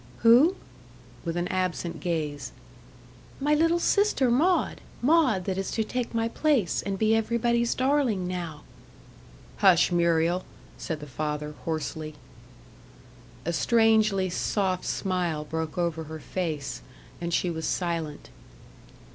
"Who?" with an absent gaze. "My little sister Maud Maud that is to take my place, and be everybody's darling now." "Hush, Muriel," said the father, hoarsely. A strangely soft smile broke over her face and she was silent.